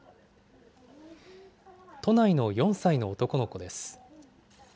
都内の４歳の男の子です。